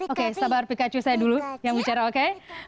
oke sabar pikachu saya dulu yang bicara oke